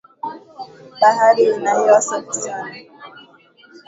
Bahari ina hewa safi sana